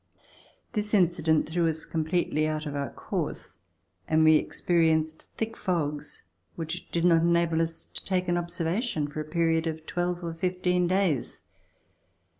This incident threw us completely out of our course, and we experienced thick fogs which did not enable us to take an observation for a period of twelve or fifteen days.